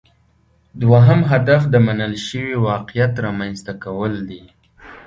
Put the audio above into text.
دوهم هدف د منل شوي واقعیت رامینځته کول دي